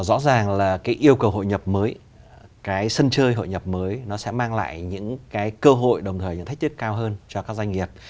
rõ ràng là cái yêu cầu hội nhập mới cái sân chơi hội nhập mới nó sẽ mang lại những cái cơ hội đồng thời những thách thức cao hơn cho các doanh nghiệp